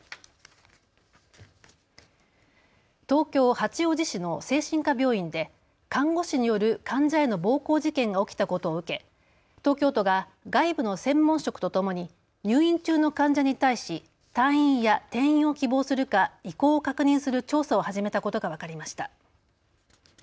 東京八王子市の精神科病院で看護師による患者への暴行事件が起きたことを受け東京都が外部の専門職とともに入院中の患者に対し退院や転院を希望するか意向を確認する調査を始めたことが分かりました。